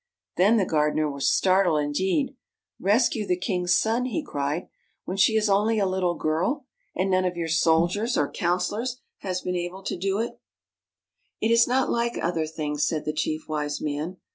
Then the gardener was startled indeed. " Rescue the king's son! " he cried. " When she is only a little girl, and none of your soldiers or counselors has been able to do it! " 128 THE CASTLE UNDER THE SEA "It is not like other things," said the Chief Wise Man.